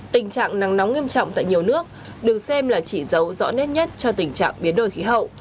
tình trạng nắng nóng nghiêm trọng tại nhiều nước được xem là chỉ dấu rõ nét nhất cho tình trạng biến đổi khí hậu